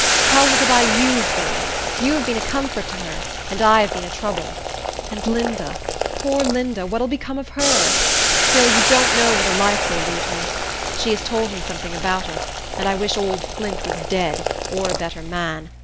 Tell her to buy you, Phil. You have been a comfort to her, and I have been a trouble. And Linda, poor Linda; what'll become of her? Phil, you don't know what a life they lead her. She has told me something about it, and I wish old Flint was dead, or a better man.